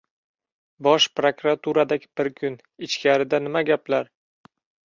Bosh prokuraturada bir kun: «ichkari»da nima gaplar?